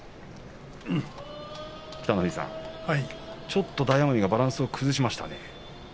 北の富士さん、ちょっと大奄美バランス崩しましたね。